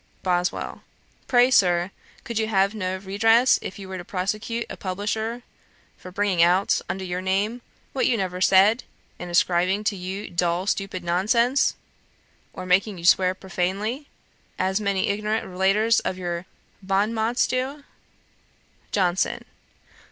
BOSWELL. 'Pray, Sir, could you have no redress if you were to prosecute a publisher for bringing out, under your name, what you never said, and ascribing to you dull stupid nonsense, or making you swear profanely, as many ignorant relaters of your bon mots do?' JOHNSON.